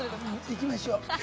行きましょう。